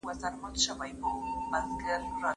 ها ګیلهمن چې یې ګیلې هم په نغمو کولې